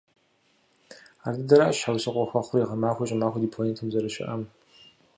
Ардыдэращ щхьэусыгъуэ хуэхъури гъэмахуи щӀымахуи ди планетэм зэрыщыӀэм.